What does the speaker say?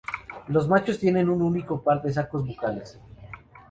Los machos tienen un único par de sacos bucales.